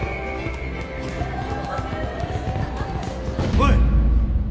おい！